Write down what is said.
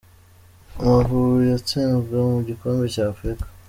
Amavubi yatsinzwe mu gikombe cy’ Africa.